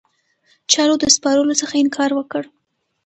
چارو د سپارلو څخه انکار وکړ.